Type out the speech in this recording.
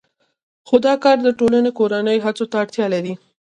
خو دا کار د ټولې کورنۍ هڅو ته اړتیا لري